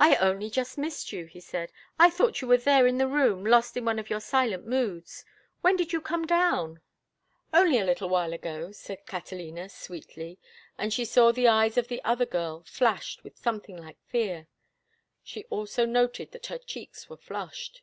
"I only just missed you," he said. "I thought you were there in the room lost in one of your silent moods. When did you come down?" "Only a little while ago," said Catalina, sweetly, and she saw the eyes of the other girl flash with something like fear. She also noted that her cheeks were flushed.